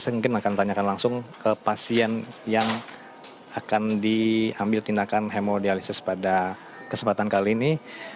saya mungkin akan tanyakan langsung ke pasien yang akan diambil tindakan hemodialisis pada kesempatan kali ini